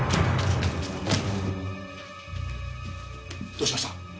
どうしました！？